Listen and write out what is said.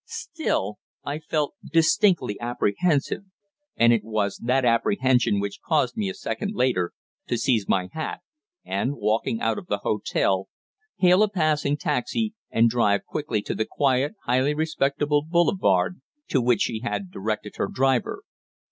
Still I felt distinctly apprehensive, and it was that apprehension which caused me, a second later, to seize my hat, and, walking out of the hotel, hail a passing taxi, and drive quickly to the quiet, highly respectable boulevard to which she had directed her driver.